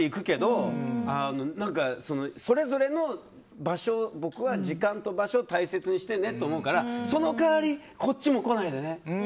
僕はそれぞれの時間と場所を大切にしてねと思うからその代わりこっちにも来ないでね。